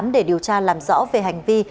để điều tra làm rõ về hành vi